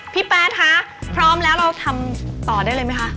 แป๊ดคะพร้อมแล้วเราทำต่อได้เลยไหมคะ